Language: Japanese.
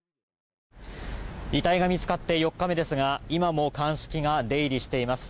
遺体が見つかって４日目ですが今も鑑識が出入りしています。